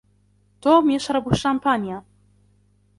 توم يشرب الشامبانيا.